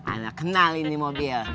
aneh kenal ini mobil